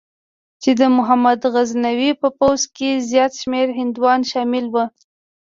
چې د محمود غزنوي په پوځ کې زیات شمېر هندوان شامل وو.